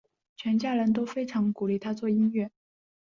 全家人都非常鼓励他做音乐。